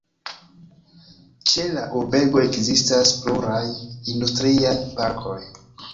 Ĉe la urbego ekzistas pluraj industriaj parkoj.